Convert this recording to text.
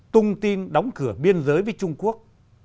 tung tin đóng cửa biên giới với trung quốc